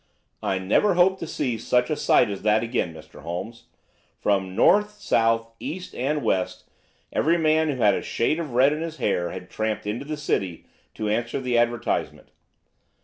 "I never hope to see such a sight as that again, Mr. Holmes. From north, south, east, and west every man who had a shade of red in his hair had tramped into the city to answer the advertisement.